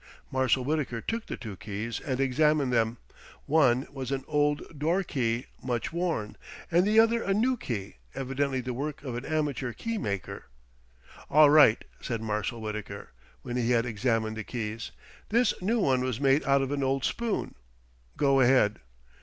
Marshal Wittaker took the two keys and examined them. One was an old doorkey, much worn, and the other a new key, evidently the work of an amateur key maker. "All right," said Marshal Wittaker, when he had examined the keys. "This new one was made out of an old spoon. Go ahead."